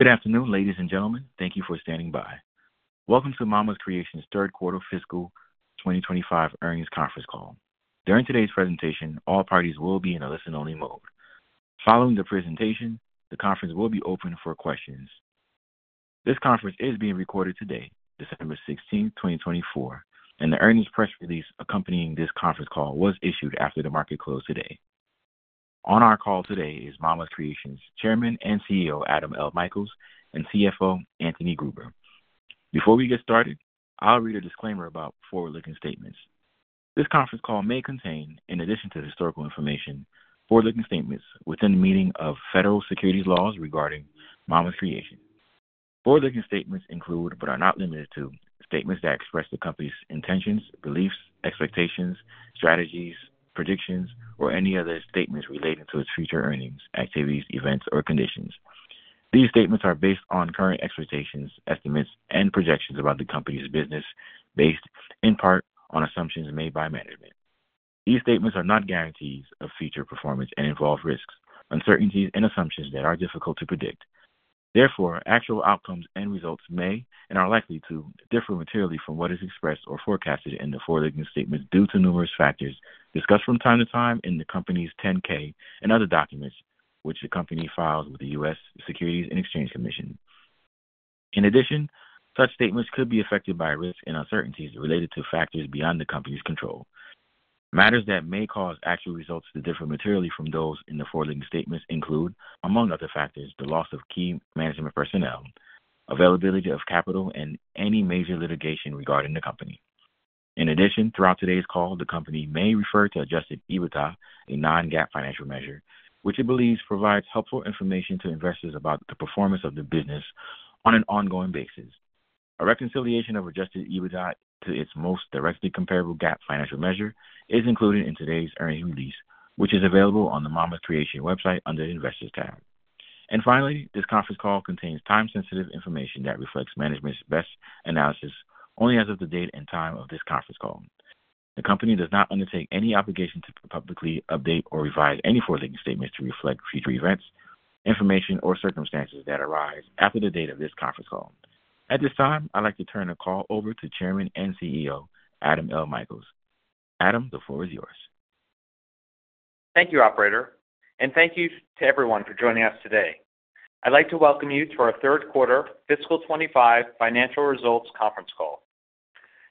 Good afternoon, ladies and gentlemen. Thank you for standing by. Welcome to Mama's Creations' third quarter fiscal 2025 earnings conference call. During today's presentation, all parties will be in a listen-only mode. Following the presentation, the conference will be open for questions. This conference is being recorded today, December 16, 2024, and the earnings press release accompanying this conference call was issued after the market closed today. On our call today is Mama's Creations' Chairman and CEO, Adam L. Michaels, and CFO, Anthony Gruber. Before we get started, I'll read a disclaimer about forward-looking statements. This conference call may contain, in addition to historical information, forward-looking statements within the meaning of federal securities laws regarding Mama's Creations. Forward-looking statements include, but are not limited to, statements that express the company's intentions, beliefs, expectations, strategies, predictions, or any other statements relating to its future earnings, activities, events, or conditions. These statements are based on current expectations, estimates, and projections about the company's business, based in part on assumptions made by management. These statements are not guarantees of future performance and involve risks, uncertainties, and assumptions that are difficult to predict. Therefore, actual outcomes and results may, and are likely to, differ materially from what is expressed or forecasted in the forward-looking statements due to numerous factors discussed from time to time in the company's 10-K and other documents which the company files with the U.S. Securities and Exchange Commission. In addition, such statements could be affected by risks and uncertainties related to factors beyond the company's control. Matters that may cause actual results to differ materially from those in the forward-looking statements include, among other factors, the loss of key management personnel, availability of capital, and any major litigation regarding the company. In addition, throughout today's call, the company may refer to Adjusted EBITDA, a non-GAAP financial measure, which it believes provides helpful information to investors about the performance of the business on an ongoing basis. A reconciliation of Adjusted EBITDA to its most directly comparable GAAP financial measure is included in today's earnings release, which is available on the Mama's Creations website under the Investors tab. Finally, this conference call contains time-sensitive information that reflects management's best analysis only as of the date and time of this conference call. The company does not undertake any obligation to publicly update or revise any forward-looking statements to reflect future events, information, or circumstances that arise after the date of this conference call. At this time, I'd like to turn the call over to Chairman and CEO, Adam L. Michaels. Adam, the floor is yours. Thank you, Operator, and thank you to everyone for joining us today. I'd like to welcome you to our third quarter fiscal 2025 financial results conference call.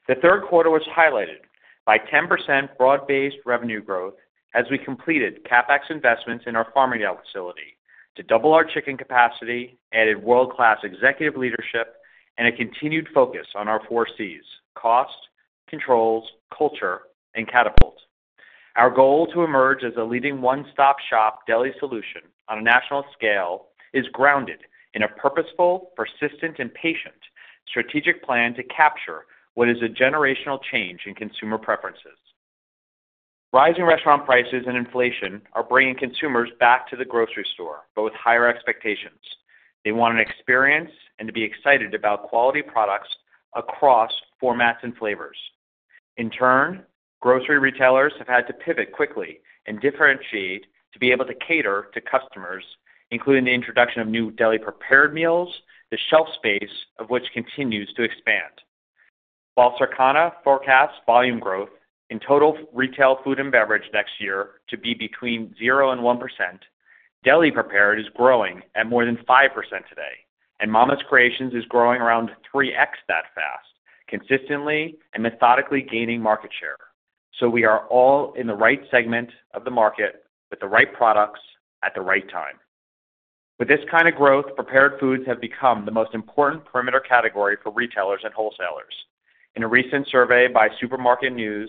The third quarter was highlighted by 10% broad-based revenue growth as we completed CapEx investments in our Farmingdale facility to double our chicken capacity, added world-class executive leadership, and a continued focus on our Four C's: cost, controls, culture, and catapult. Our goal to emerge as a leading one-stop shop deli solution on a national scale is grounded in a purposeful, persistent, and patient strategic plan to capture what is a generational change in consumer preferences. Rising restaurant prices and inflation are bringing consumers back to the grocery store but with higher expectations. They want an experience and to be excited about quality products across formats and flavors. In turn, grocery retailers have had to pivot quickly and differentiate to be able to cater to customers, including the introduction of new deli-prepared meals, the shelf space of which continues to expand. While Circana forecasts volume growth in total retail food and beverage next year to be between 0% and 1%, deli-prepared is growing at more than 5% today, and Mama's Creations is growing around 3X that fast, consistently and methodically gaining market share. So we are all in the right segment of the market with the right products at the right time. With this kind of growth, prepared foods have become the most important perimeter category for retailers and wholesalers. In a recent survey by Supermarket News,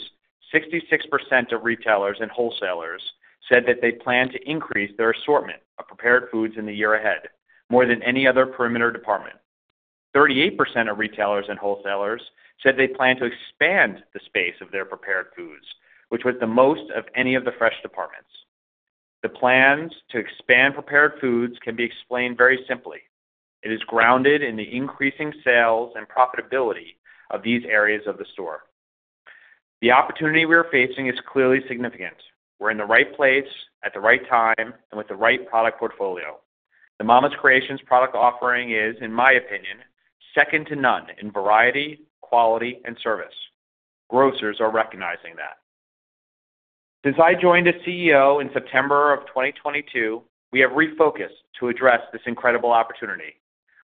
66% of retailers and wholesalers said that they plan to increase their assortment of prepared foods in the year ahead more than any other perimeter department. 38% of retailers and wholesalers said they plan to expand the space of their prepared foods, which was the most of any of the fresh departments. The plans to expand prepared foods can be explained very simply. It is grounded in the increasing sales and profitability of these areas of the store. The opportunity we are facing is clearly significant. We're in the right place at the right time and with the right product portfolio. The Mama's Creations product offering is, in my opinion, second to none in variety, quality, and service. Grocers are recognizing that. Since I joined as CEO in September of 2022, we have refocused to address this incredible opportunity.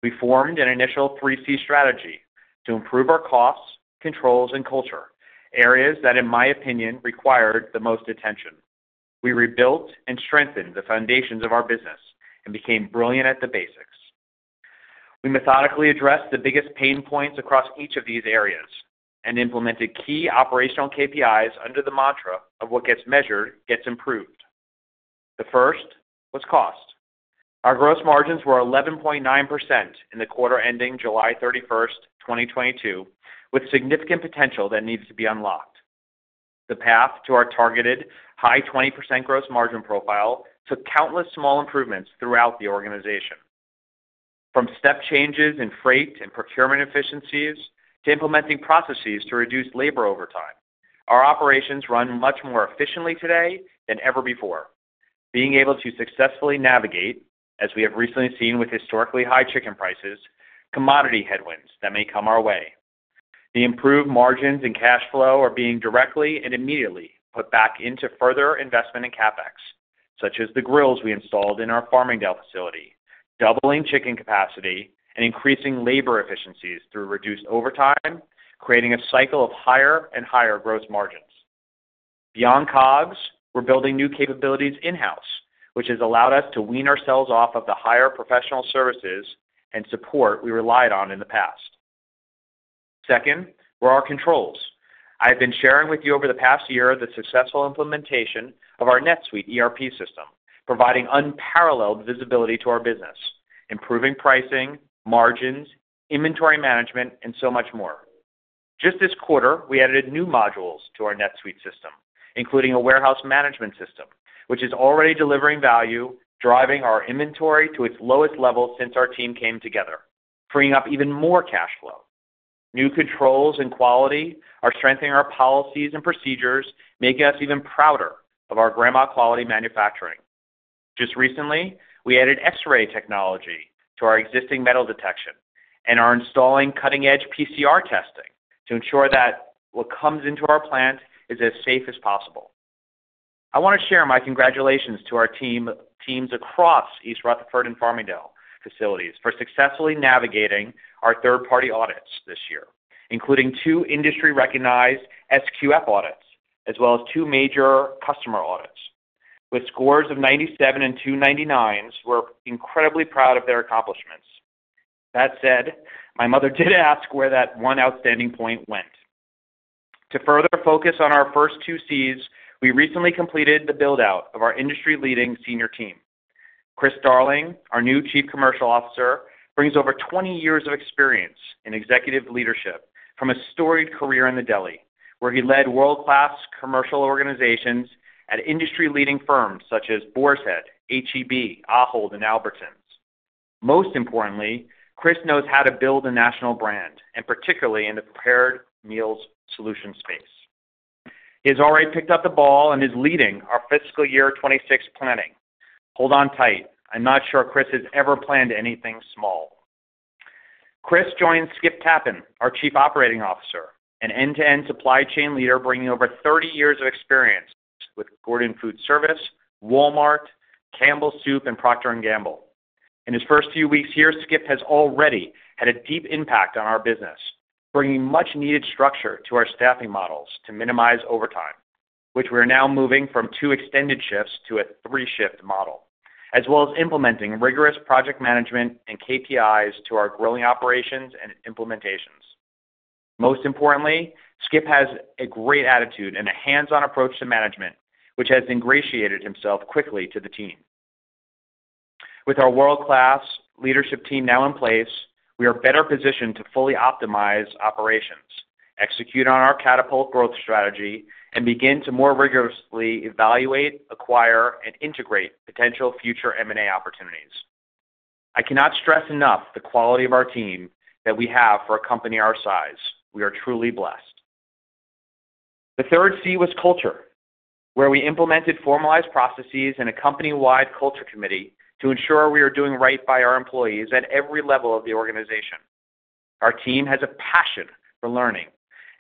We formed an initial three C strategy to improve our costs, controls, and culture, areas that, in my opinion, required the most attention. We rebuilt and strengthened the foundations of our business and became brilliant at the basics. We methodically addressed the biggest pain points across each of these areas and implemented key operational KPIs under the mantra of "What gets measured, gets improved." The first was cost. Our gross margins were 11.9% in the quarter ending July 31, 2022, with significant potential that needed to be unlocked. The path to our targeted high 20% gross margin profile took countless small improvements throughout the organization. From step changes in freight and procurement efficiencies to implementing processes to reduce labor overtime, our operations run much more efficiently today than ever before, being able to successfully navigate, as we have recently seen with historically high chicken prices, commodity headwinds that may come our way. The improved margins and cash flow are being directly and immediately put back into further investment in CapEx, such as the grills we installed in our Farmingdale facility, doubling chicken capacity and increasing labor efficiencies through reduced overtime, creating a cycle of higher and higher gross margins. Beyond COGS, we're building new capabilities in-house, which has allowed us to wean ourselves off of the higher professional services and support we relied on in the past. Second, our controls. I have been sharing with you over the past year the successful implementation of our NetSuite ERP system, providing unparalleled visibility to our business, improving pricing, margins, inventory management, and so much more. Just this quarter, we added new modules to our NetSuite system, including a warehouse management system, which is already delivering value, driving our inventory to its lowest level since our team came together, freeing up even more cash flow. New controls and quality are strengthening our policies and procedures, making us even prouder of our grandma-quality manufacturing. Just recently, we added X-ray technology to our existing metal detection and are installing cutting-edge PCR testing to ensure that what comes into our plant is as safe as possible. I want to share my congratulations to our teams across East Rutherford and Farmingdale facilities for successfully navigating our third-party audits this year, including two industry-recognized SQF audits, as well as two major customer audits. With scores of 97 and two 99s, we're incredibly proud of their accomplishments. That said, my mother did ask where that one outstanding point went. To further focus on our first two C's, we recently completed the build-out of our industry-leading senior team. Chris Darling, our new Chief Commercial Officer, brings over 20 years of experience in executive leadership from a storied career in the deli, where he led world-class commercial organizations at industry-leading firms such as Boar's Head, H-E-B, Ahold, and Albertsons. Most importantly, Chris knows how to build a national brand, and particularly in the prepared meals solution space. He has already picked up the ball and is leading our fiscal year 2026 planning. Hold on tight. I'm not sure Chris has ever planned anything small. Chris joins Skip Tappan, our Chief Operating Officer, an end-to-end supply chain leader bringing over 30 years of experience with Gordon Food Service, Walmart, Campbell's Soup, and Procter & Gamble. In his first few weeks here, Skip has already had a deep impact on our business, bringing much-needed structure to our staffing models to minimize overtime, which we are now moving from two extended shifts to a three-shift model, as well as implementing rigorous project management and KPIs to our growing operations and implementations. Most importantly, Skip has a great attitude and a hands-on approach to management, which has ingratiated himself quickly to the team. With our world-class leadership team now in place, we are better positioned to fully optimize operations, execute on our catapult growth strategy, and begin to more rigorously evaluate, acquire, and integrate potential future M&A opportunities. I cannot stress enough the quality of our team that we have for a company our size. We are truly blessed. The third C was culture, where we implemented formalized processes and a company-wide culture committee to ensure we are doing right by our employees at every level of the organization. Our team has a passion for learning,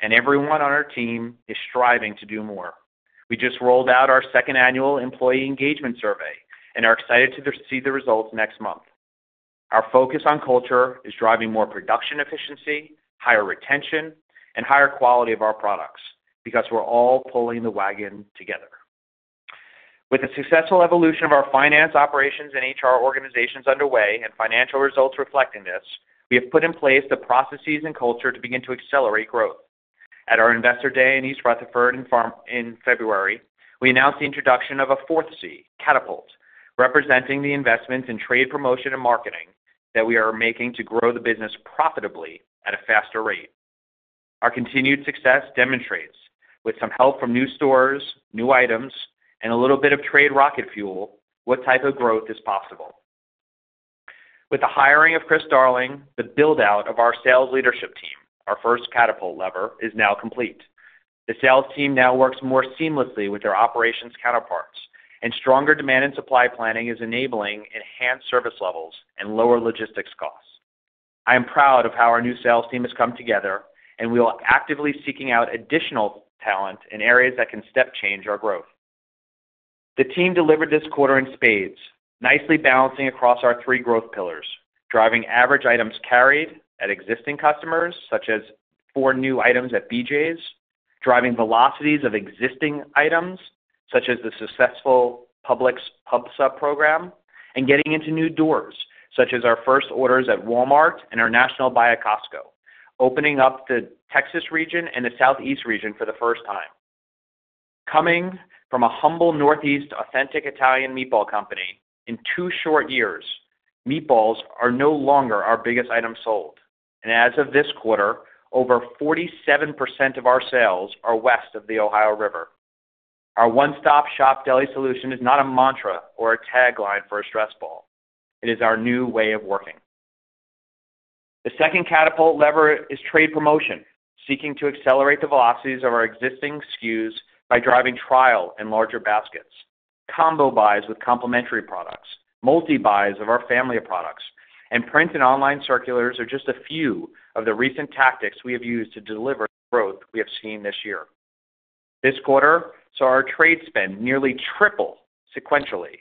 and everyone on our team is striving to do more. We just rolled out our second annual employee engagement survey and are excited to see the results next month. Our focus on culture is driving more production efficiency, higher retention, and higher quality of our products because we're all pulling the wagon together. With the successful evolution of our finance operations and HR organizations underway and financial results reflecting this, we have put in place the processes and culture to begin to accelerate growth. At our investor day in East Rutherford in February, we announced the introduction of a fourth C, Catapult, representing the investments in trade promotion and marketing that we are making to grow the business profitably at a faster rate. Our continued success demonstrates, with some help from new stores, new items, and a little bit of trade rocket fuel, what type of growth is possible. With the hiring of Chris Darling, the build-out of our sales leadership team, our first catapult lever, is now complete. The sales team now works more seamlessly with their operations counterparts, and stronger demand and supply planning is enabling enhanced service levels and lower logistics costs. I am proud of how our new sales team has come together, and we are actively seeking out additional talent in areas that can step change our growth. The team delivered this quarter in spades, nicely balancing across our three growth pillars, driving average items carried at existing customers, such as four new items at BJ's, driving velocities of existing items, such as the successful Publix Pub Sub program, and getting into new doors, such as our first orders at Walmart and our national buy at Costco, opening up the Texas region and the Southeast region for the first time. Coming from a humble Northeast authentic Italian meatball company, in two short years, meatballs are no longer our biggest item sold, and as of this quarter, over 47% of our sales are west of the Ohio River. Our one-stop shop deli solution is not a mantra or a tagline for a stress ball. It is our new way of working. The second catapult lever is trade promotion, seeking to accelerate the velocities of our existing SKUs by driving trial and larger baskets, combo buys with complementary products, multi-buys of our family of products, and print and online circulars are just a few of the recent tactics we have used to deliver growth we have seen this year. This quarter, our trade spend nearly tripled sequentially,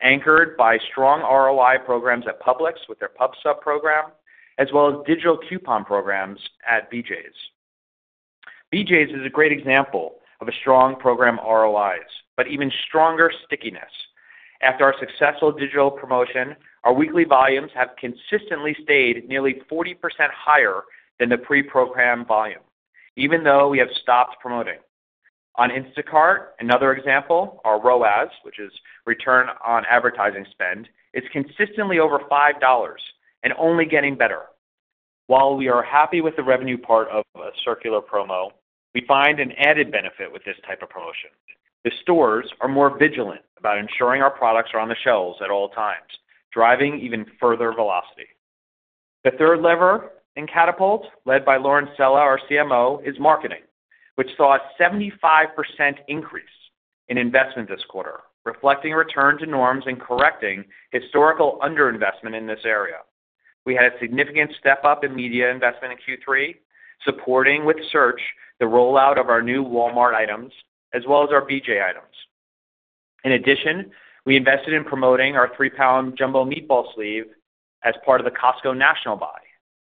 anchored by strong ROI programs at Publix with their Pub Sub program, as well as digital coupon programs at BJ's. BJ's is a great example of strong program ROIs, but even stronger stickiness. After our successful digital promotion, our weekly volumes have consistently stayed nearly 40% higher than the pre-program volume, even though we have stopped promoting. On Instacart, another example, our ROAS, which is return on advertising spend, is consistently over $5 and only getting better. While we are happy with the revenue part of a circular promo, we find an added benefit with this type of promotion. The stores are more vigilant about ensuring our products are on the shelves at all times, driving even further velocity. The third lever in Catapult, led by Lauren Sella, our CMO, is marketing, which saw a 75% increase in investment this quarter, reflecting return to norms and correcting historical underinvestment in this area. We had a significant step-up in media investment in Q3, supporting with search the rollout of our new Walmart items as well as our BJ items. In addition, we invested in promoting our three-pound jumbo meatball sleeve as part of the Costco National Buy,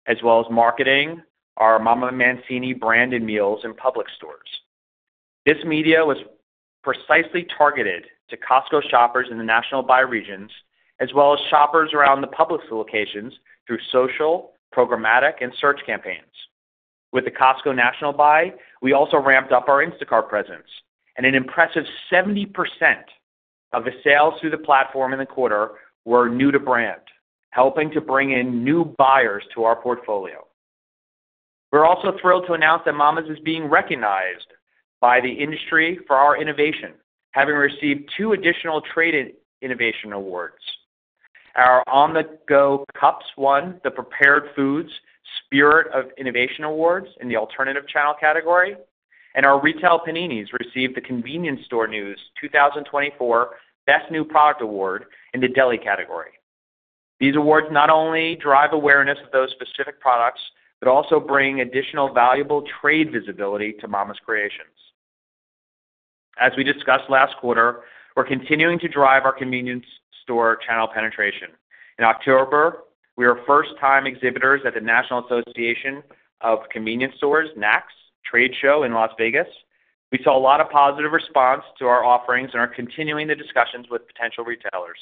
as well as marketing our MamaMancini's branded meals in Publix stores. This media was precisely targeted to Costco shoppers in the National Buy regions, as well as shoppers around the Publix locations through social, programmatic, and search campaigns. With the Costco National Buy, we also ramped up our Instacart presence, and an impressive 70% of the sales through the platform in the quarter were new to brand, helping to bring in new buyers to our portfolio. We're also thrilled to announce that Mama's is being recognized by the industry for our innovation, having received two additional trade innovation awards. Our On-the-Go Cups won the Prepared Foods Spirit of Innovation Awards in the alternative channel category, and our Retail Paninis received the Convenience Store News 2024 Best New Product Award in the deli category. These awards not only drive awareness of those specific products, but also bring additional valuable trade visibility to Mama's Creations. As we discussed last quarter, we're continuing to drive our convenience store channel penetration. In October, we were first-time exhibitors at the National Association of Convenience Stores, NACS, trade show in Las Vegas. We saw a lot of positive response to our offerings and are continuing the discussions with potential retailers.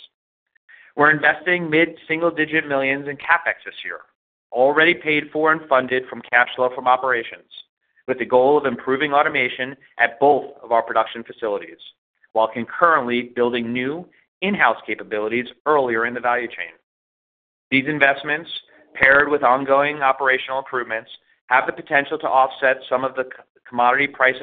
We're investing mid-single-digit millions in CapEx this year, already paid for and funded from cash flow from operations, with the goal of improving automation at both of our production facilities, while concurrently building new in-house capabilities earlier in the value chain. These investments, paired with ongoing operational improvements, have the potential to offset some of the commodity price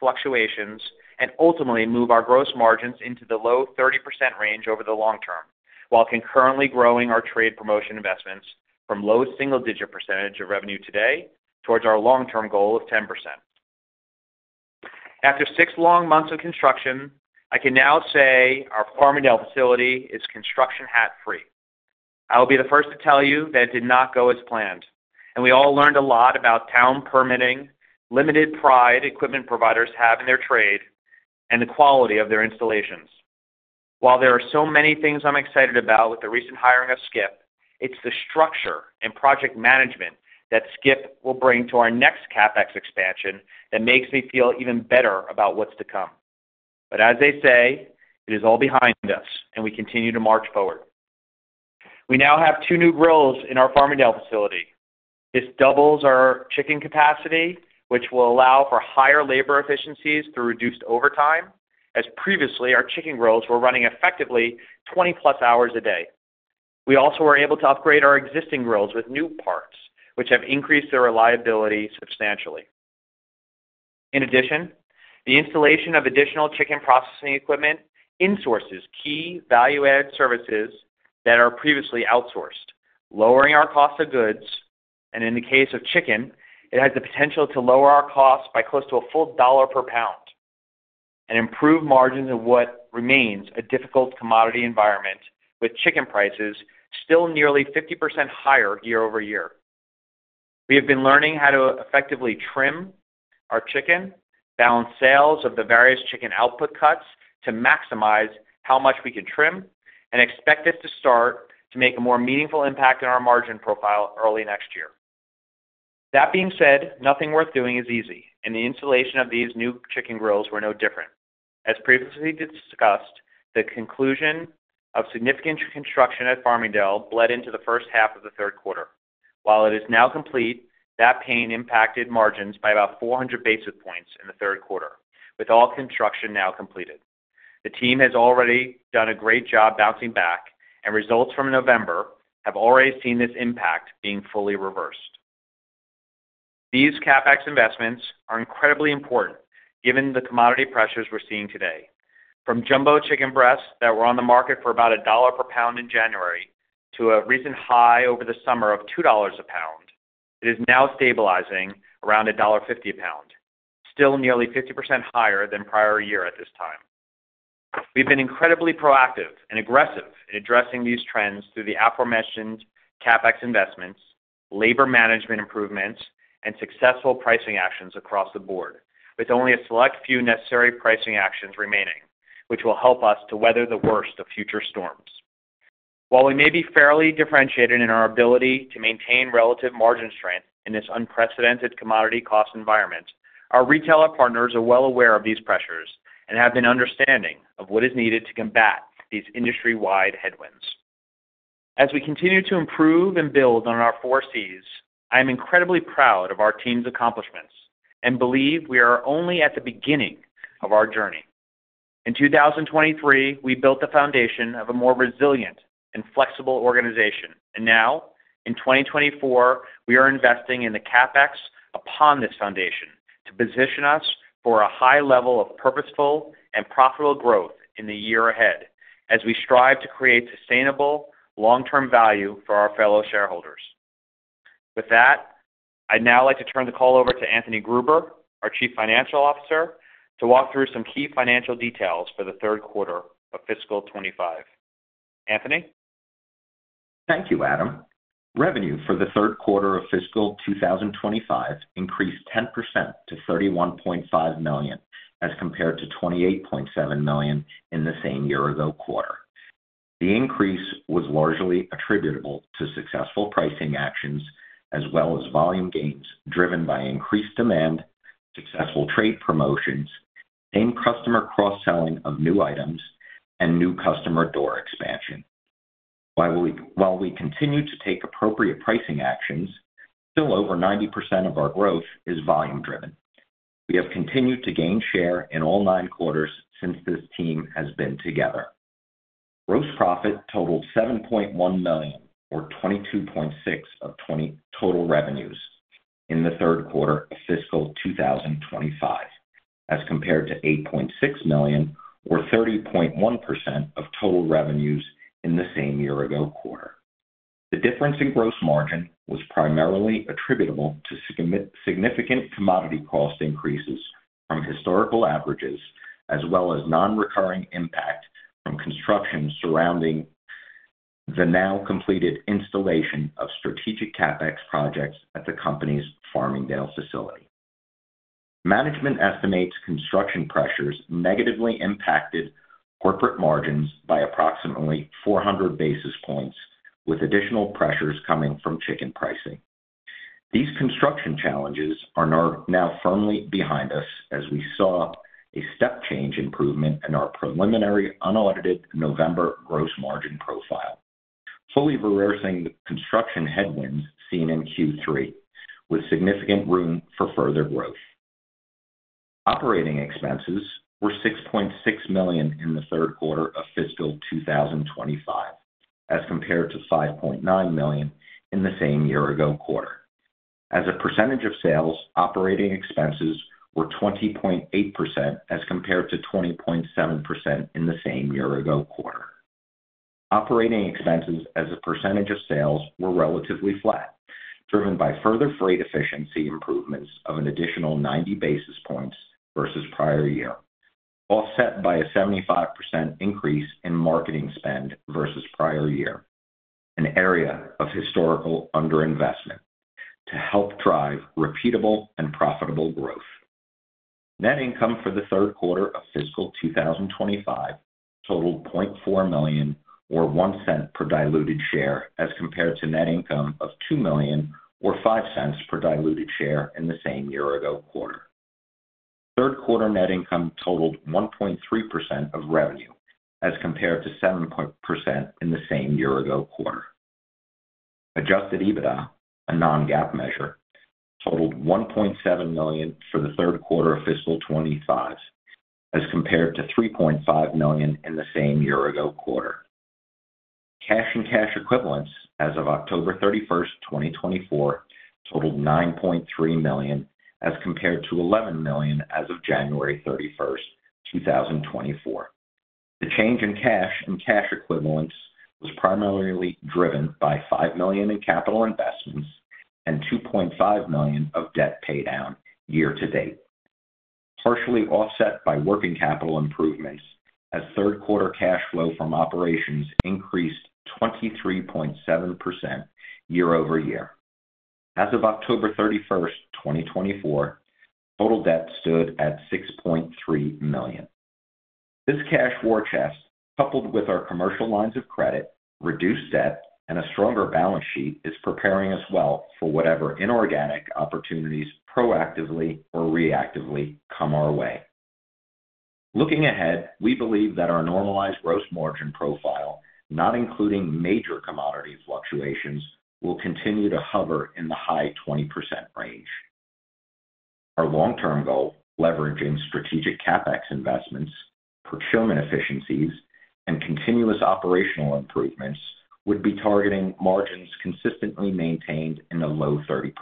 fluctuations and ultimately move our gross margins into the low 30% range over the long term, while concurrently growing our trade promotion investments from low single-digit % of revenue today towards our long-term goal of 10%. After six long months of construction, I can now say our Farmingdale facility is construction hat-free. I'll be the first to tell you that it did not go as planned, and we all learned a lot about town permitting, limited pride equipment providers have in their trade, and the quality of their installations. While there are so many things I'm excited about with the recent hiring of Skip, it's the structure and project management that Skip will bring to our next CapEx expansion that makes me feel even better about what's to come, but as they say, it is all behind us, and we continue to march forward. We now have two new grills in our Farmingdale facility. This doubles our chicken capacity, which will allow for higher labor efficiencies through reduced overtime, as previously our chicken grills were running effectively 20-plus hours a day. We also were able to upgrade our existing grills with new parts, which have increased their reliability substantially. In addition, the installation of additional chicken processing equipment insources key value-add services that are previously outsourced, lowering our cost of goods, and in the case of chicken, it has the potential to lower our cost by close to $1 per pound and improve margins of what remains a difficult commodity environment, with chicken prices still nearly 50% higher year over year. We have been learning how to effectively trim our chicken, balance sales of the various chicken output cuts to maximize how much we can trim, and expect this to start to make a more meaningful impact on our margin profile early next year. That being said, nothing worth doing is easy, and the installation of these new chicken grills were no different. As previously discussed, the conclusion of significant construction at Farmingdale bled into the first half of the third quarter. While it is now complete, that pain impacted margins by about 400 basis points in the third quarter, with all construction now completed. The team has already done a great job bouncing back, and results from November have already seen this impact being fully reversed. These CapEx investments are incredibly important given the commodity pressures we're seeing today. From jumbo chicken breasts that were on the market for about a dollar per pound in January to a recent high over the summer of $2 a pound, it is now stabilizing around $1.50 a pound, still nearly 50% higher than prior year at this time. We've been incredibly proactive and aggressive in addressing these trends through the aforementioned CapEx investments, labor management improvements, and successful pricing actions across the board, with only a select few necessary pricing actions remaining, which will help us to weather the worst of future storms. While we may be fairly differentiated in our ability to maintain relative margin strength in this unprecedented commodity cost environment, our retailer partners are well aware of these pressures and have been understanding of what is needed to combat these industry-wide headwinds. As we continue to improve and build on our Four C's, I am incredibly proud of our team's accomplishments and believe we are only at the beginning of our journey. In 2023, we built the foundation of a more resilient and flexible organization, and now, in 2024, we are investing in the CapEx upon this foundation to position us for a high level of purposeful and profitable growth in the year ahead as we strive to create sustainable long-term value for our fellow shareholders. With that, I'd now like to turn the call over to Anthony Gruber, our Chief Financial Officer, to walk through some key financial details for the third quarter of fiscal 2025. Anthony? Thank you, Adam. Revenue for the third quarter of fiscal 2025 increased 10% to $31.5 million as compared to $28.7 million in the same year-ago quarter. The increase was largely attributable to successful pricing actions as well as volume gains driven by increased demand, successful trade promotions, and customer cross-selling of new items and new customer door expansion. While we continue to take appropriate pricing actions, still over 90% of our growth is volume-driven. We have continued to gain share in all nine quarters since this team has been together. Gross profit totaled $7.1 million or 22.6% of total revenues in the third quarter of fiscal 2025, as compared to $8.6 million or 30.1% of total revenues in the same year-ago quarter. The difference in gross margin was primarily attributable to significant commodity cost increases from historical averages, as well as non-recurring impact from construction surrounding the now-completed installation of strategic CapEx projects at the company's Farmingdale facility. Management estimates construction pressures negatively impacted corporate margins by approximately 400 basis points, with additional pressures coming from chicken pricing. These construction challenges are now firmly behind us as we saw a step change improvement in our preliminary unaudited November gross margin profile, fully reversing the construction headwinds seen in Q3, with significant room for further growth. Operating expenses were $6.6 million in the third quarter of fiscal 2025, as compared to $5.9 million in the same year-ago quarter. As a percentage of sales, operating expenses were 20.8% as compared to 20.7% in the same year-ago quarter. Operating expenses as a percentage of sales were relatively flat, driven by further freight efficiency improvements of an additional 90 basis points versus prior year, offset by a 75% increase in marketing spend versus prior year, an area of historical underinvestment to help drive repeatable and profitable growth. Net income for the third quarter of fiscal 2025 totaled $0.4 million or $0.01 per diluted share, as compared to net income of $2 million or $0.05 per diluted share in the same year-ago quarter. Third quarter net income totaled 1.3% of revenue, as compared to [7.2%] in the same year-ago quarter. Adjusted EBITDA, a non-GAAP measure, totaled $1.7 million for the third quarter of fiscal 2025, as compared to $3.5 million in the same year-ago quarter. Cash and cash equivalents as of October 31st, 2024, totaled $9.3 million, as compared to $11 million as of January 31st, 2024. The change in cash and cash equivalents was primarily driven by $5 million in capital investments and $2.5 million of debt paydown year to date, partially offset by working capital improvements as third quarter cash flow from operations increased 23.7% year over year. As of October 31st, 2024, total debt stood at $6.3 million. This cash war chest, coupled with our commercial lines of credit, reduced debt, and a stronger balance sheet, is preparing us well for whatever inorganic opportunities proactively or reactively come our way. Looking ahead, we believe that our normalized gross margin profile, not including major commodity fluctuations, will continue to hover in the high 20% range. Our long-term goal, leveraging strategic CapEx investments, procurement efficiencies, and continuous operational improvements, would be targeting margins consistently maintained in the low 30%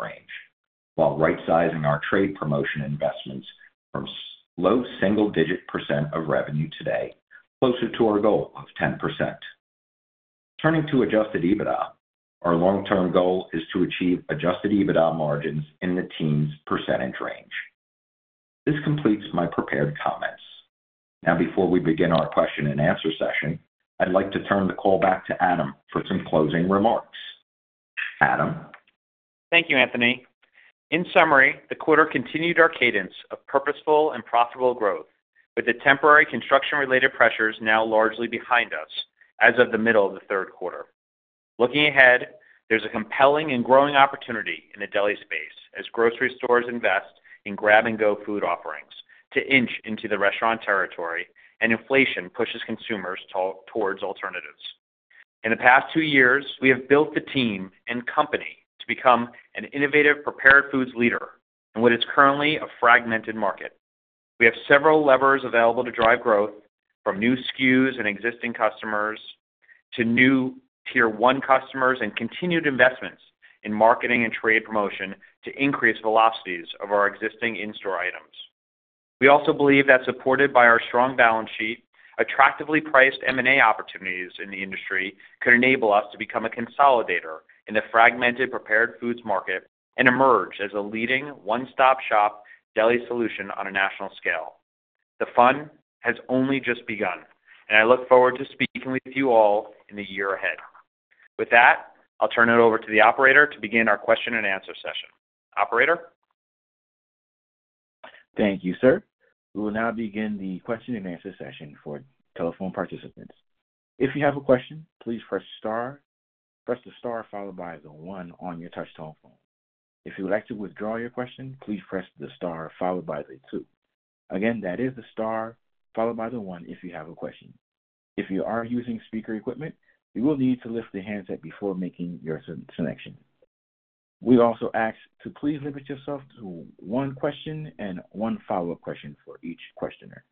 range, while right-sizing our trade promotion investments from low single-digit % of revenue today, closer to our goal of 10%. Turning to adjusted EBITDA, our long-term goal is to achieve adjusted EBITDA margins in the teens % range. This completes my prepared comments. Now, before we begin our question and answer session, I'd like to turn the call back to Adam for some closing remarks. Adam. Thank you, Anthony. In summary, the quarter continued our cadence of purposeful and profitable growth, with the temporary construction-related pressures now largely behind us as of the middle of the third quarter. Looking ahead, there's a compelling and growing opportunity in the deli space as grocery stores invest in grab-and-go food offerings to inch into the restaurant territory, and inflation pushes consumers towards alternatives. In the past two years, we have built the team and company to become an innovative prepared foods leader in what is currently a fragmented market. We have several levers available to drive growth, from new SKUs and existing customers to new tier-one customers and continued investments in marketing and trade promotion to increase velocities of our existing in-store items. We also believe that, supported by our strong balance sheet, attractively priced M&A opportunities in the industry could enable us to become a consolidator in the fragmented prepared foods market and emerge as a leading one-stop-shop deli solution on a national scale. The fun has only just begun, and I look forward to speaking with you all in the year ahead. With that, I'll turn it over to the operator to begin our question and answer session. Operator. Thank you, sir. We will now begin the question and answer session for telephone participants. If you have a question, please press star, press the star followed by the one on your touch-tone telephone. If you would like to withdraw your question, please press the star followed by the two. Again, that is the star followed by the one if you have a question. If you are using speaker equipment, you will need to lift the handset before making your selection. We also ask to please limit yourself to one question and one follow-up question for each questioner.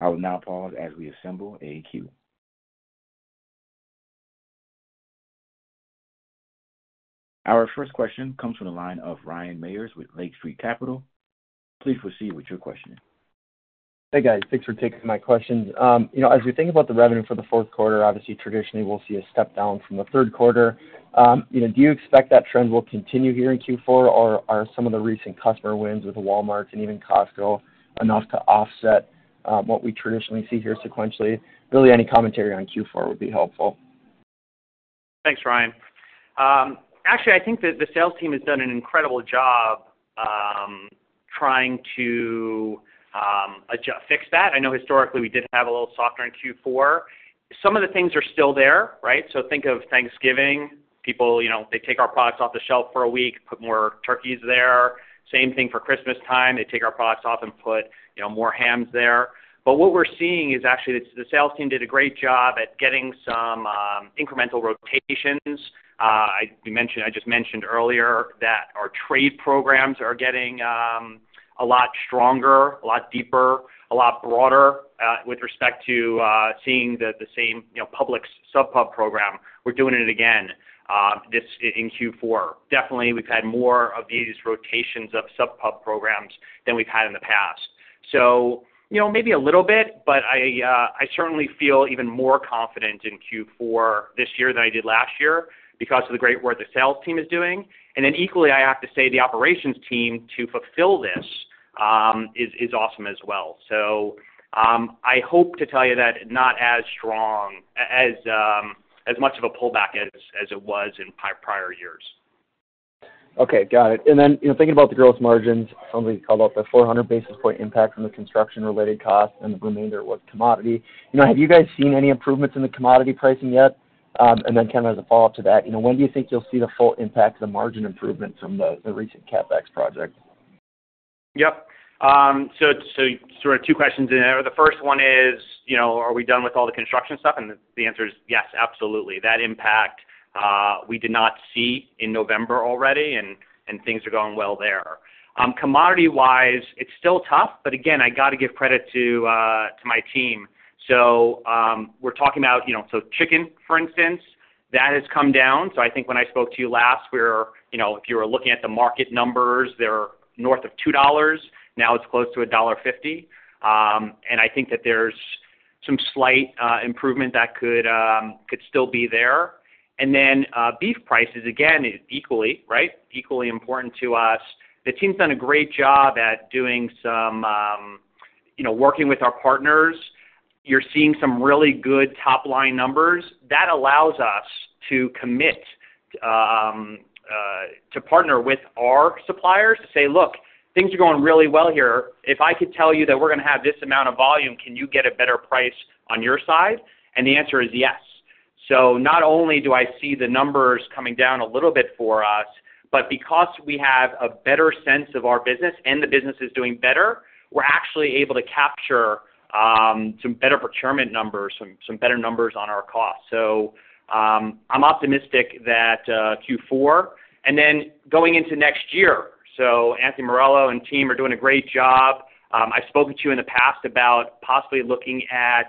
I will now pause as we assemble a queue. Our first question comes from the line of Ryan Meyers with Lake Street Capital Markets. Please proceed with your question. Hey, guys. Thanks for taking my questions. As we think about the revenue for the fourth quarter, obviously, traditionally, we'll see a step down from the third quarter. Do you expect that trend will continue here in Q4, or are some of the recent customer wins with Walmart and even Costco enough to offset what we traditionally see here sequentially? Really, any commentary on Q4 would be helpful. Thanks, Ryan. Actually, I think that the sales team has done an incredible job trying to fix that. I know historically we did have a little softer in Q4. Some of the things are still there, right? So think of Thanksgiving. People, they take our products off the shelf for a week, put more turkeys there. Same thing for Christmas time. They take our products off and put more hams there. But what we're seeing is actually the sales team did a great job at getting some incremental rotations. I just mentioned earlier that our trade programs are getting a lot stronger, a lot deeper, a lot broader with respect to seeing the same Publix Pub Sub program. We're doing it again in Q4. Definitely, we've had more of these rotations of Pub Sub programs than we've had in the past. So maybe a little bit, but I certainly feel even more confident in Q4 this year than I did last year because of the great work the sales team is doing. And then equally, I have to say the operations team to fulfill this is awesome as well. So I hope to tell you that not as strong, as much of a pullback as it was in prior years. Okay. Got it. And then thinking about the gross margins, something you called out the 400 basis points impact from the construction-related costs, and the remainder was commodity. Have you guys seen any improvements in the commodity pricing yet? And then kind of as a follow-up to that, when do you think you'll see the full impact of the margin improvement from the recent CapEx project? Yep. So sort of two questions in there. The first one is, are we done with all the construction stuff? And the answer is yes, absolutely. That impact we did not see in November already, and things are going well there. Commodity-wise, it's still tough, but again, I got to give credit to my team. So we're talking about chicken, for instance, that has come down. So I think when I spoke to you last, if you were looking at the market numbers, they're north of $2. Now it's close to $1.50. And I think that there's some slight improvement that could still be there. And then beef prices, again, equally, right, equally important to us. The team's done a great job at doing some working with our partners. You're seeing some really good top-line numbers. That allows us to commit to partner with our suppliers to say, "Look, things are going really well here. If I could tell you that we're going to have this amount of volume, can you get a better price on your side," and the answer is yes, so not only do I see the numbers coming down a little bit for us, but because we have a better sense of our business and the business is doing better, we're actually able to capture some better procurement numbers, some better numbers on our costs, so I'm optimistic that Q4 and then going into next year, so Anthony Morello and team are doing a great job. I've spoken to you in the past about possibly looking at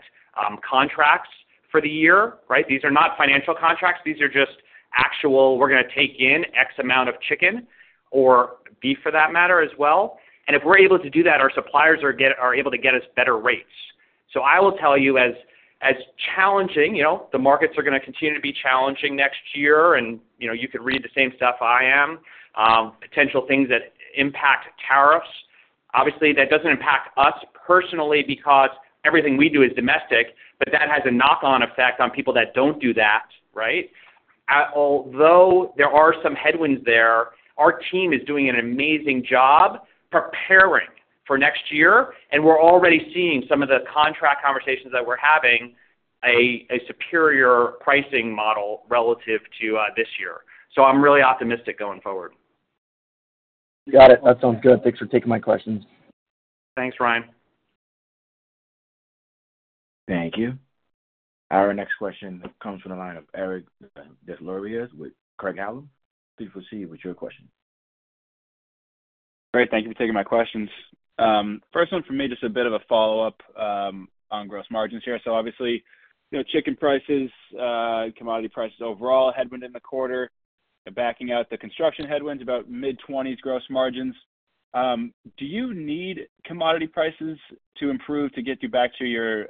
contracts for the year, right? These are not financial contracts. These are just actual, we're going to take in X amount of chicken or beef for that matter as well. And if we're able to do that, our suppliers are able to get us better rates. So I will tell you, as challenging, the markets are going to continue to be challenging next year, and you could read the same stuff I am, potential things that impact tariffs. Obviously, that doesn't impact us personally because everything we do is domestic, but that has a knock-on effect on people that don't do that, right? Although there are some headwinds there, our team is doing an amazing job preparing for next year, and we're already seeing some of the contract conversations that we're having a superior pricing model relative to this year. So I'm really optimistic going forward. Got it. That sounds good. Thanks for taking my questions. Thanks, Ryan. Thank you. Our next question comes from the line of Eric Des Lauriers with Craig-Hallum. Please proceed with your question. Great. Thank you for taking my questions. First one for me, just a bit of a follow-up on gross margins here. So obviously, chicken prices, commodity prices overall, headwind in the quarter, backing out the construction headwinds, about mid-20s gross margins. Do you need commodity prices to improve to get you back to your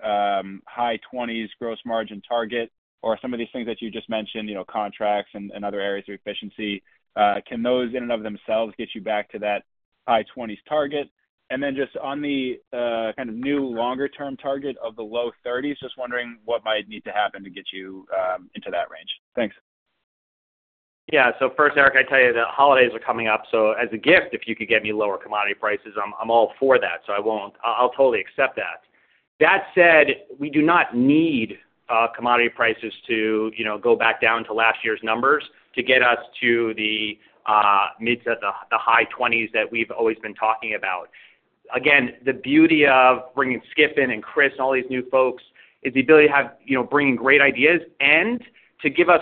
high 20s gross margin target or some of these things that you just mentioned, contracts and other areas of efficiency? Can those in and of themselves get you back to that high 20s target? And then just on the kind of new longer-term target of the low 30s, just wondering what might need to happen to get you into that range. Thanks. Yeah. So first, Eric, I tell you that holidays are coming up. So as a gift, if you could get me lower commodity prices, I'm all for that. So I'll totally accept that. That said, we do not need commodity prices to go back down to last year's numbers to get us to the mid to the high 20s that we've always been talking about. Again, the beauty of bringing Skip in and Chris and all these new folks is the ability to have bringing great ideas and to give us,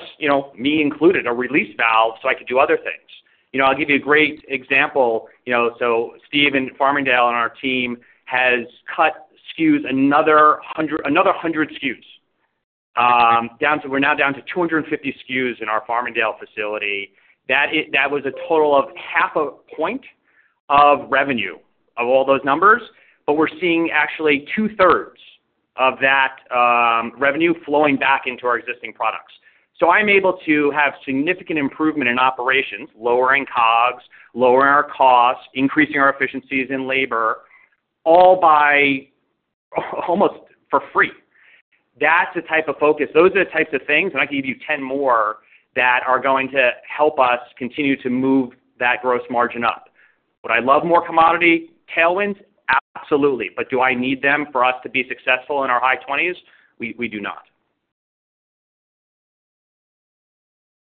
me included, a release valve so I could do other things. I'll give you a great example. So Steve in Farmingdale and our team has cut SKUs, another 100 SKUs. We're now down to 250 SKUs in our Farmingdale facility. That was a total of half a point of revenue of all those numbers, but we're seeing actually two-thirds of that revenue flowing back into our existing products. So I'm able to have significant improvement in operations, lowering COGS, lowering our costs, increasing our efficiencies in labor, all by almost for free. That's the type of focus. Those are the types of things, and I can give you 10 more that are going to help us continue to move that gross margin up. Would I love more commodity tailwinds? Absolutely. But do I need them for us to be successful in our high 20s? We do not.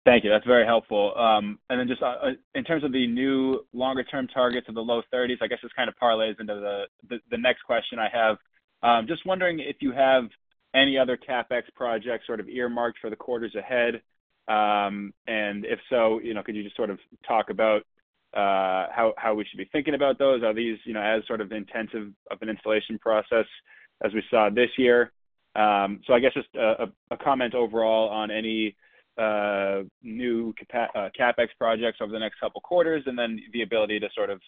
Thank you. That's very helpful. And then just in terms of the new longer-term targets of the low 30s, I guess this kind of parlays into the next question I have. Just wondering if you have any other CapEx projects sort of earmarked for the quarters ahead. And if so, could you just sort of talk about how we should be thinking about those? Are these as sort of intensive an installation process as we saw this year? So I guess just a comment overall on any new CapEx projects over the next couple of quarters and then the ability to sort of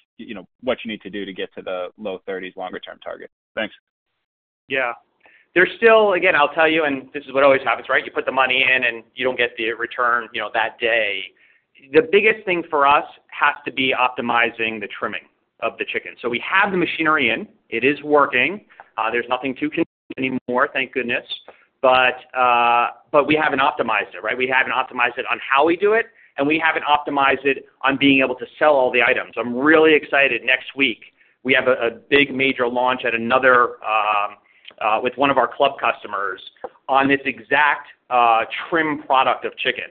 what you need to do to get to the low 30s longer-term target. Thanks. Yeah. Again, I'll tell you, and this is what always happens, right? You put the money in and you don't get the return that day. The biggest thing for us has to be optimizing the trimming of the chicken. So we have the machinery in. It is working. There's nothing too concerning anymore, thank goodness. But we haven't optimized it, right? We haven't optimized it on how we do it, and we haven't optimized it on being able to sell all the items. I'm really excited next week. We have a big major launch at another with one of our club customers on this exact trim product of chicken.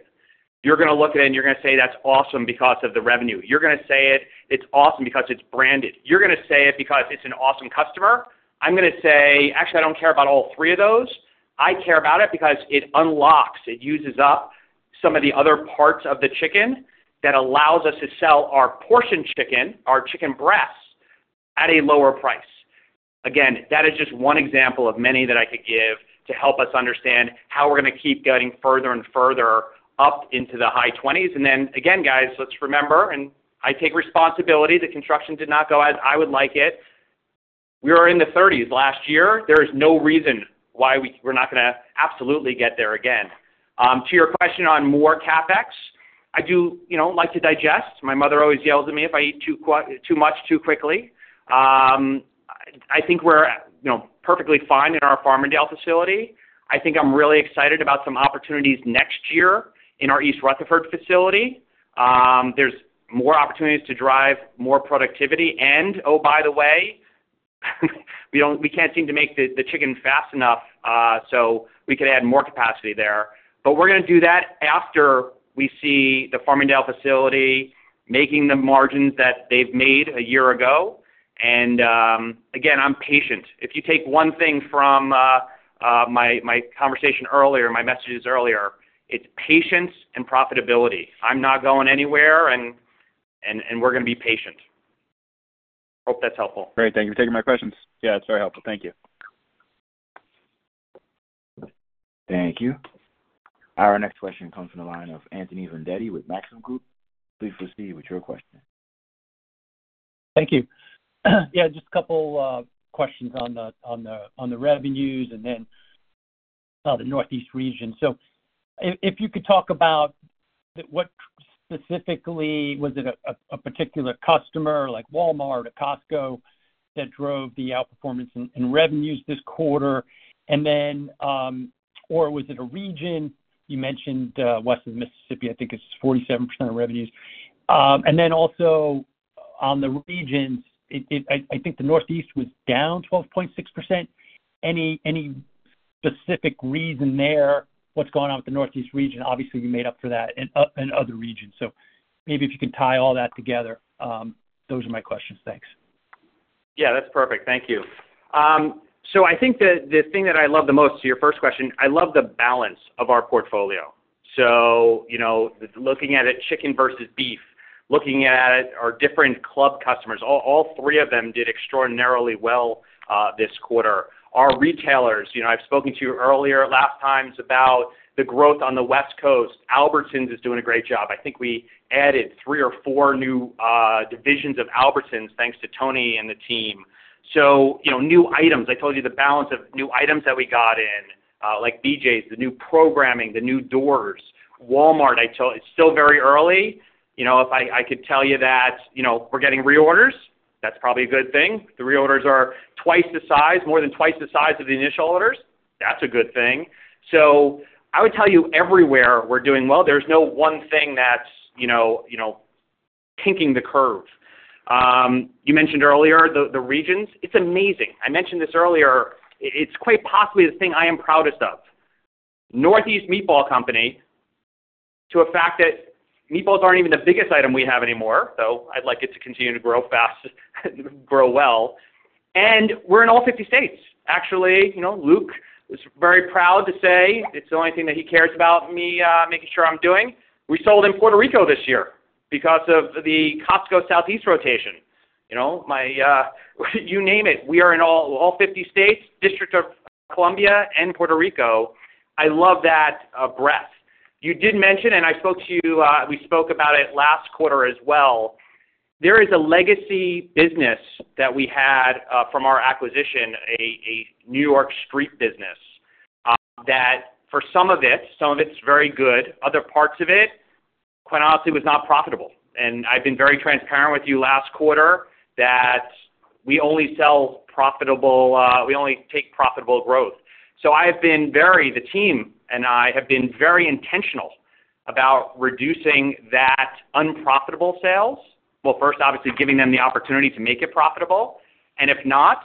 You're going to look at it and you're going to say, "That's awesome because of the revenue." You're going to say it, "It's awesome because it's branded." You're going to say it because it's an awesome customer. I'm going to say, "Actually, I don't care about all three of those. I care about it because it unlocks. It uses up some of the other parts of the chicken that allows us to sell our portion chicken, our chicken breasts at a lower price." Again, that is just one example of many that I could give to help us understand how we're going to keep getting further and further up into the high 20s. And then again, guys, let's remember, and I take responsibility, the construction did not go as I would like it. We were in the 30s last year. There is no reason why we're not going to absolutely get there again. To your question on more CapEx, I do like to digest. My mother always yells at me if I eat too much too quickly. I think we're perfectly fine in our Farmingdale facility. I think I'm really excited about some opportunities next year in our East Rutherford facility. There's more opportunities to drive more productivity. And oh, by the way, we can't seem to make the chicken fast enough, so we could add more capacity there. But we're going to do that after we see the Farmingdale facility making the margins that they've made a year ago. And again, I'm patient. If you take one thing from my conversation earlier, my messages earlier, it's patience and profitability. I'm not going anywhere, and we're going to be patient. Hope that's helpful. Great. Thank you for taking my questions. Yeah, it's very helpful. Thank you. Thank you. Our next question comes from the line of Anthony Vendetti with Maxim Group. Please proceed with your question. Thank you. Yeah, just a couple of questions on the revenues and then the Northeast region. So if you could talk about what specifically was it a particular customer like Walmart or Costco that drove the outperformance in revenues this quarter? And then or was it a region? You mentioned West of Mississippi, I think it's 47% of revenues. And then also on the regions, I think the Northeast was down 12.6%. Any specific reason there? What's going on with the Northeast region? Obviously, you made up for that in other regions. So maybe if you can tie all that together, those are my questions. Thanks. Yeah, that's perfect. Thank you. So I think the thing that I love the most to your first question, I love the balance of our portfolio. So looking at it, chicken versus beef, looking at our different club customers, all three of them did extraordinarily well this quarter. Our retailers, I've spoken to you earlier last times about the growth on the West Coast. Albertsons is doing a great job. I think we added three or four new divisions of Albertsons thanks to Tony and the team. So new items, I told you the balance of new items that we got in, like BJ's, the new programming, the new doors. Walmart, it's still very early. If I could tell you that we're getting reorders, that's probably a good thing. The reorders are twice the size, more than twice the size of the initial orders. That's a good thing. So I would tell you everywhere we're doing well. There's no one thing that's kinking the curve. You mentioned earlier the regions. It's amazing. I mentioned this earlier. It's quite possibly the thing I am proudest of. From the fact that meatballs aren't even the biggest item we have anymore, though I'd like it to continue to grow fast and grow well. And we're in all 50 states. Actually, Luke is very proud to say it's the only thing that he cares about me making sure I'm doing. We sold in Puerto Rico this year because of the Costco Southeast rotation. You name it. We are in all 50 states, District of Columbia and Puerto Rico. I love that breadth. You did mention, and I spoke to you, we spoke about it last quarter as well. There is a legacy business that we had from our acquisition, a New York street business, that for some of it, some of it's very good. Other parts of it, quite honestly, was not profitable, and I've been very transparent with you last quarter that we only sell profitable, we only take profitable growth. So I have been very, the team and I have been very intentional about reducing that unprofitable sales. Well, first, obviously, giving them the opportunity to make it profitable, and if not,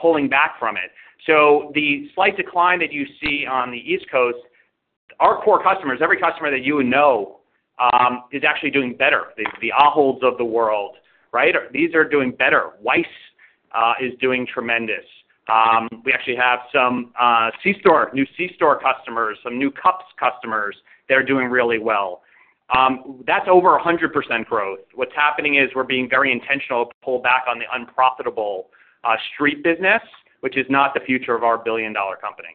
pulling back from it. So the slight decline that you see on the East Coast, our core customers, every customer that you know is actually doing better. The Aholds of the world, right? These are doing better. Weis is doing tremendous. We actually have some C-store, new C-store customers, some new Cups customers. They're doing really well. That's over 100% growth. What's happening is we're being very intentional to pull back on the unprofitable street business, which is not the future of our billion-dollar company.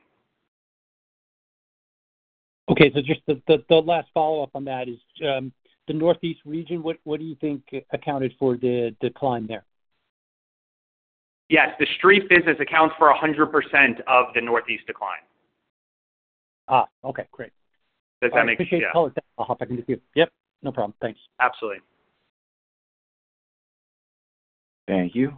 Okay. So just the last follow-up on that is the Northeast region, what do you think accounted for the decline there? Yes. The street business accounts for 100% of the Northeast decline. Okay. Great. Does that make sense? I appreciate it. I'll hop back in to see you. Yep. No problem. Thanks. Absolutely. Thank you.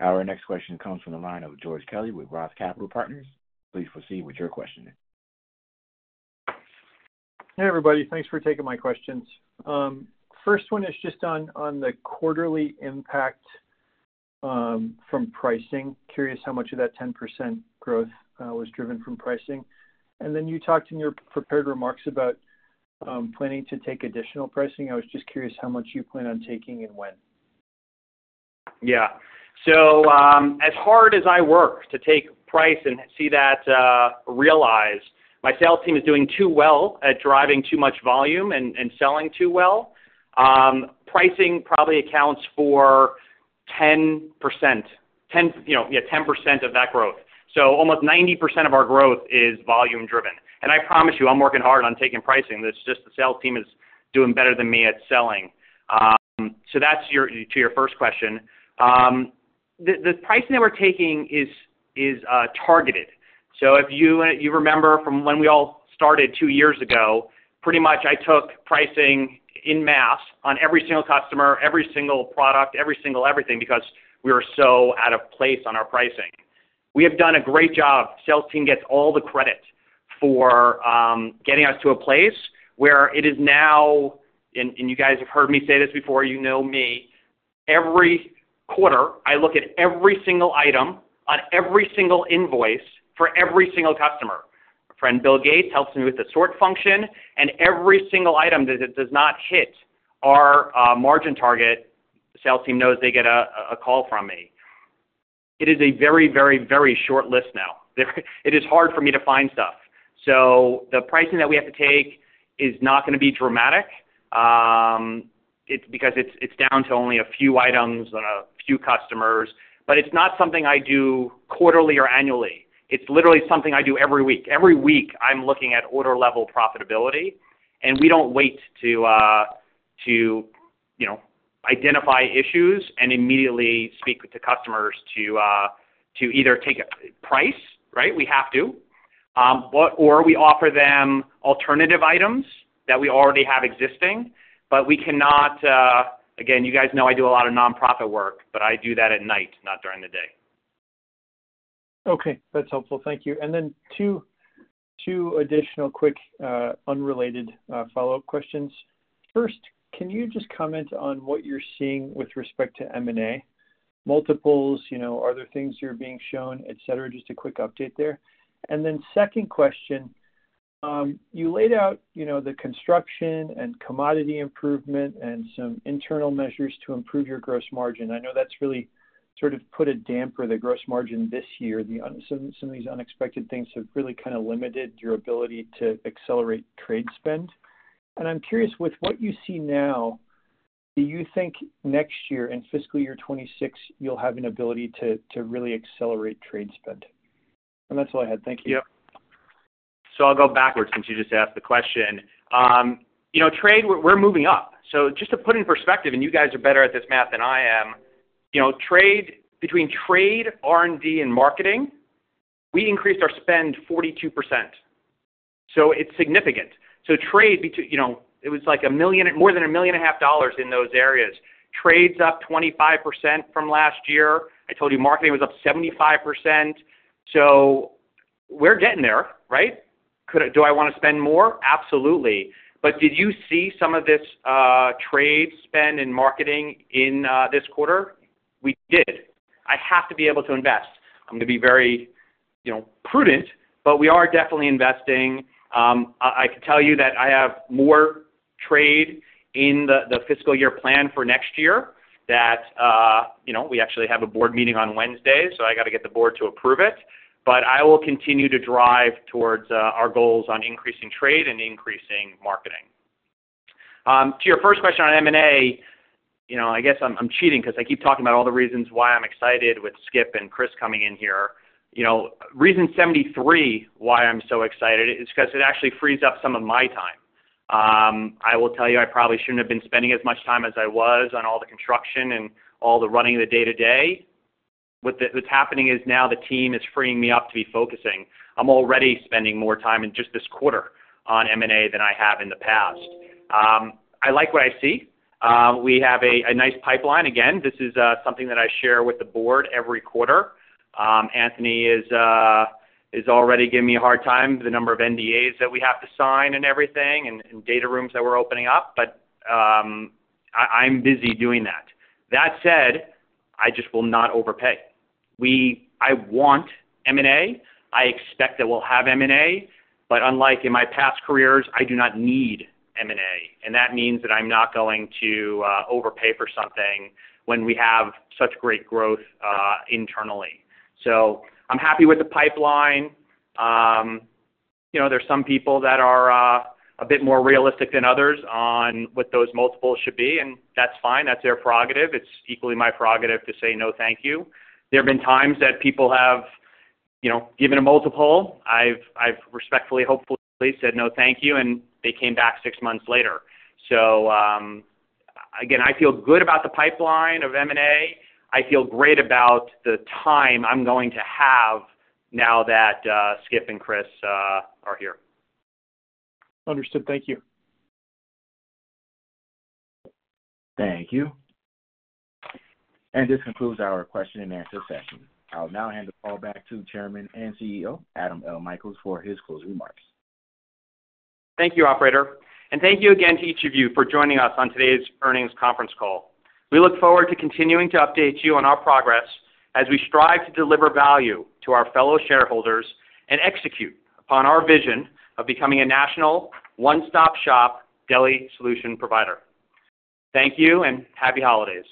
Our next question comes from the line of George Kelly with Roth Capital Partners. Please proceed with your question. Hey, everybody. Thanks for taking my questions. First one is just on the quarterly impact from pricing. Curious how much of that 10% growth was driven from pricing? And then you talked in your prepared remarks about planning to take additional pricing. I was just curious how much you plan on taking and when? Yeah. So as hard as I work to take price and see that realized, my sales team is doing too well at driving too much volume and selling too well. Pricing probably accounts for 10%, yeah, 10% of that growth. So almost 90% of our growth is volume-driven. And I promise you, I'm working hard on taking pricing. It's just the sales team is doing better than me at selling. So that's to your first question. The pricing that we're taking is targeted. So if you remember from when we all started two years ago, pretty much I took pricing en masse on every single customer, every single product, every single everything because we were so out of place on our pricing. We have done a great job. Sales team gets all the credit for getting us to a place where it is now, and you guys have heard me say this before, you know me, every quarter, I look at every single item on every single invoice for every single customer. My friend Bill Gates helps me with the sort function, and every single item that does not hit our margin target, the sales team knows they get a call from me. It is a very, very, very short list now. It is hard for me to find stuff, so the pricing that we have to take is not going to be dramatic because it's down to only a few items and a few customers, but it's not something I do quarterly or annually. It's literally something I do every week. Every week, I'm looking at order-level profitability. We don't wait to identify issues and immediately speak to customers to either take a price, right? We have to. Or we offer them alternative items that we already have existing. But we cannot again, you guys know I do a lot of nonprofit work, but I do that at night, not during the day. Okay. That's helpful. Thank you. Then two additional quick unrelated follow-up questions. First, can you just comment on what you're seeing with respect to M&A? Multiples, are there things you're being shown, etc.? Just a quick update there. Then second question, you laid out the construction and commodity improvement and some internal measures to improve your gross margin. I know that's really sort of put a damper on the gross margin this year. Some of these unexpected things have really kind of limited your ability to accelerate trade spend. I'm curious, with what you see now, do you think next year in fiscal year 26, you'll have an ability to really accelerate trade spend? That's all I had. Thank you. Yep. I'll go backwards since you just asked the question. Trade, we're moving up. Just to put in perspective, and you guys are better at this math than I am, between trade, R&D, and marketing, we increased our spend 42%. It's significant. Trade, it was like more than $1.5 million in those areas. Trade's up 25% from last year. I told you marketing was up 75%. We're getting there, right? Do I want to spend more? Absolutely. Did you see some of this trade spend and marketing in this quarter? We did. I have to be able to invest. I'm going to be very prudent, but we are definitely investing. I can tell you that I have more trade in the fiscal year plan for next year that we actually have a board meeting on Wednesday, so I got to get the board to approve it. But I will continue to drive towards our goals on increasing trade and increasing marketing. To your first question on M&A, I guess I'm cheating because I keep talking about all the reasons why I'm excited with Skip and Chris coming in here. Reason 73 why I'm so excited is because it actually frees up some of my time. I will tell you I probably shouldn't have been spending as much time as I was on all the construction and all the running of the day-to-day. What's happening is now the team is freeing me up to be focusing. I'm already spending more time in just this quarter on M&A than I have in the past. I like what I see. We have a nice pipeline. Again, this is something that I share with the board every quarter. Anthony is already giving me a hard time, the number of NDAs that we have to sign and everything and data rooms that we're opening up. But I'm busy doing that. That said, I just will not overpay. I want M&A. I expect that we'll have M&A. But unlike in my past careers, I do not need M&A. And that means that I'm not going to overpay for something when we have such great growth internally. So I'm happy with the pipeline. There's some people that are a bit more realistic than others on what those multiples should be, and that's fine. That's their prerogative. It's equally my prerogative to say no thank you. There have been times that people have given a multiple. I've respectfully, hopefully said no thank you, and they came back six months later. So again, I feel good about the pipeline of M&A. I feel great about the time I'm going to have now that Skip and Chris are here. Understood. Thank you. Thank you. And this concludes our question and answer session. I'll now hand the call back to Chairman and CEO, Adam L. Michaels, for his closing remarks. Thank you, Operator. And thank you again to each of you for joining us on today's earnings conference call. We look forward to continuing to update you on our progress as we strive to deliver value to our fellow shareholders and execute upon our vision of becoming a national one-stop-shop deli solution provider. Thank you and happy holidays.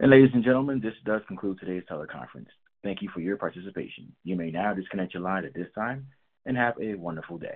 Ladies and gentlemen, this does conclude today's teleconference. Thank you for your participation. You may now disconnect your line at this time and have a wonderful day.